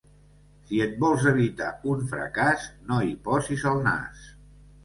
Si et vols evitar un fracàs, no hi posis el nas.